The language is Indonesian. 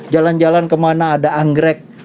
jalan jalan kemana ada anggrek